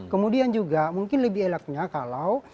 kemudian juga mungkin lebih elaknya kalau